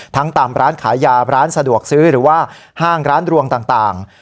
ตามร้านขายยาร้านสะดวกซื้อหรือว่าห้างร้านรวงต่าง